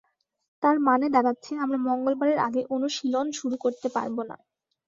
তার মানে দাঁড়াচ্ছে আমরা মঙ্গলবারের আগে অনুশীলন শুরু করতে পারব না।